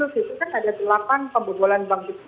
di situ kan ada delapan pembudulan bank besar